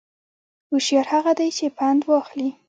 هوشیار هغه دی چې پند واخلي